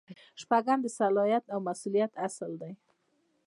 شپږم د صلاحیت او مسؤلیت اصل دی.